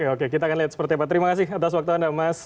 oke kita akan lihat seperti apa terima kasih atas waktu anda mas